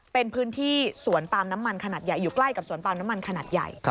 เป็นพื้นที่สวนปาล์มน้ำมันขนาดใหญ่อยู่ใกล้กับสวนปาล์น้ำมันขนาดใหญ่